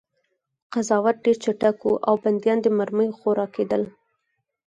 قضاوت ډېر چټک و او بندیان د مرمیو خوراک کېدل